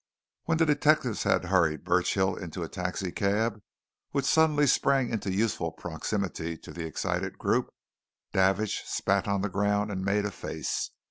When the detectives had hurried Burchill into a taxi cab which suddenly sprang into useful proximity to the excited group, Davidge spat on the ground and made a face.